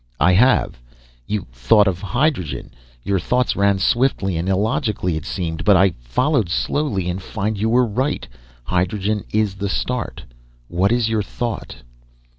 "I have. You thought of hydrogen? Your thoughts ran swiftly, and illogically, it seemed, but I followed slowly, and find you were right. Hydrogen is the start. What is your thought?"